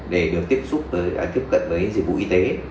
để được tiếp cận với dịch vụ y tế